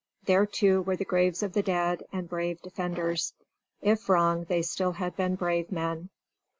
There, too, were the graves of the dead and brave defenders. If wrong, they still had been brave men."